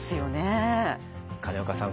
金岡さん